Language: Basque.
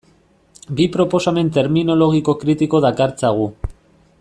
Bi proposamen terminologiko kritiko dakartzagu.